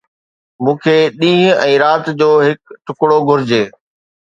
مون کي ڏينهن ۽ رات جو هڪ ٽڪرو گهرجي